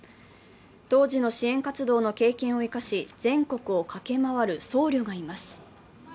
当時の支援活動の経験を生かし全国を駆け回る僧侶がいます。